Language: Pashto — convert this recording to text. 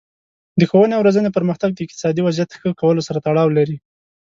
د ښوونې او روزنې پرمختګ د اقتصادي وضعیت ښه کولو سره تړاو لري.